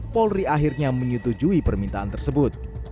polri akhirnya menyetujui permintaan tersebut